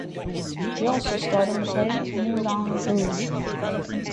He also starred in the play "Moulin Rouge".